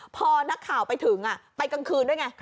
พอนักข่าวไปถึงไปกลางคืนด้วยไง